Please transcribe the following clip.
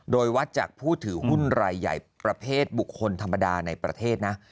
โดยวัดจากผู้ถือหุ้นรายใหญ่ประเภทบุคคลธรรมดาในประเทศนะ